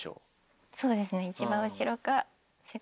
そうですね。